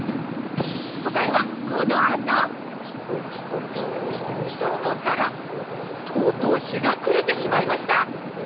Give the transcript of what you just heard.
答えはこのあと！と思ったらとうとう日が暮れてしまいました。